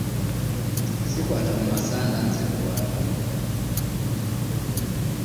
Ssikwata mu masanda nze kuwaata.